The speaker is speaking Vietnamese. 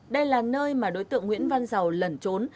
đây là nơi mà đối tượng nguyễn văn giàu lẩn trốn